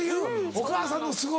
お母さん